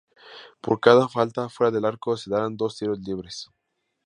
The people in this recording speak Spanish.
Por cada falta fuera del arco se darán dos tiros libres.